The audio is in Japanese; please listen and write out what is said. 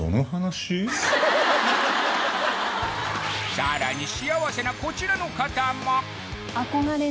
さらに幸せなこちらの方も！